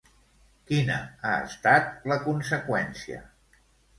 Quina ha estat la conseqüència?